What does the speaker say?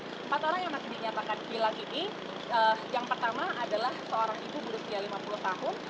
empat orang yang masih dinyatakan hilang ini yang pertama adalah seorang ibu berusia lima puluh tahun